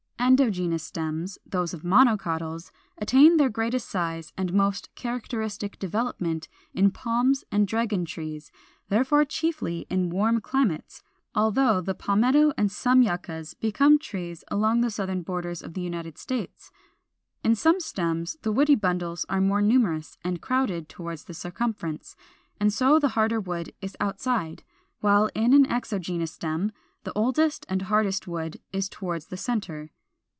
427. =Endogenous Stems=, those of Monocotyls (40), attain their greatest size and most characteristic development in Palms and Dragon trees, therefore chiefly in warm climates, although the Palmetto and some Yuccas become trees along the southern borders of the United States. In such stems the woody bundles are more numerous and crowded toward the circumference, and so the harder wood is outside; while in an exogenous stem the oldest and hardest wood is toward the centre.